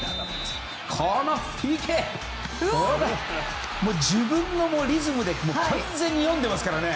このＰＫ、自分のリズムで完全に読んでいますからね。